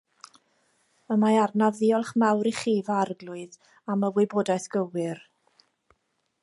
Y mae arnaf ddiolch mawr i chi, f'arglwydd, am y wybodaeth gywir.